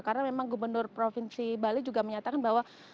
karena memang gubernur provinsi bali juga menyatakan bahwa